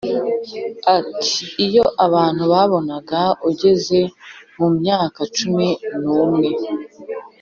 ati “’iyo abantu babonaga ugeze mu myaka cumi n’umwe